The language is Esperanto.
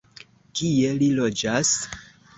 Kie li loĝas?